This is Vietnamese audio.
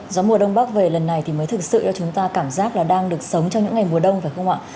gió mùa đông bắc về lần này thì mới thực sự cho chúng ta cảm giác là đang được sống trong những ngày mùa đông phải không ạ